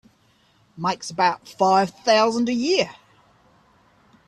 Makes about five thousand a year.